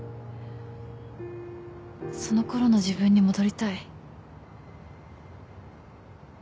そのころの自分に戻りたい。